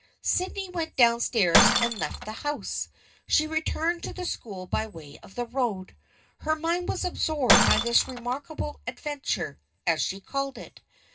Sydney went down stairs and left the house. She returned to the school by way of the road. Her mind was absorbed by this remarkable ad venture, as she called it.